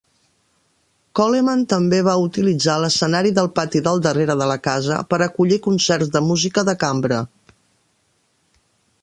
Coleman també va utilitzar l'escenari del pati del darrere de la casa per acollir concerts de música de cambra.